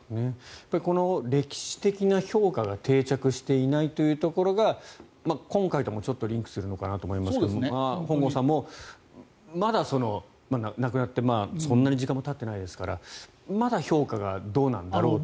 この歴史的な評価が定着していないというところが今回ともちょっとリンクするのかなと思いますが本郷さんもまだ亡くなってそんなに時間もたってないですからまだ評価がどうなんだろうと。